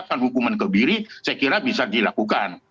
untuk tambahkan hukuman kebiri saya kira bisa dilakukan